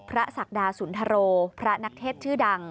ศักดาสุนทโรพระนักเทศชื่อดัง